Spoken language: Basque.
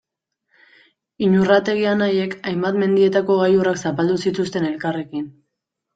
Iñurrategi anaiek hainbat mendietako gailurrak zapaldu zituzten elkarrekin.